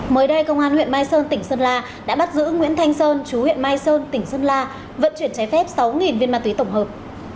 mới đây công an huyện mai sơn tỉnh sơn la đã bắt giữ nguyễn thanh sơn chú huyện mai sơn tỉnh sơn la vận chuyển trái phép sáu viên ma túy tổng hợp